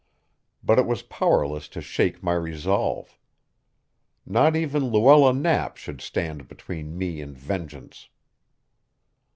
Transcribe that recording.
But it was powerless to shake my resolve. Not even Luella Knapp should stand between me and vengeance.